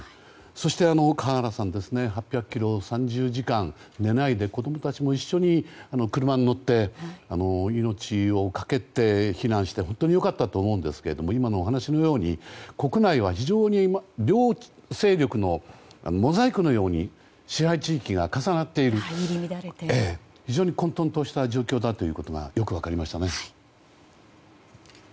そして、川原さん８００ｋｍ、３０時間寝ないで子供たちも一緒に車に乗って命をかけて避難して本当に良かったと思うんですが今のお話のように国内は両勢力のモザイクのように支配地域が重なっている非常に混とんとした状況だということがよく分かりましたね。